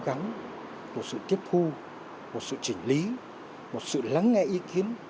cố gắng một sự tiếp thu một sự chỉnh lý một sự lắng nghe ý kiến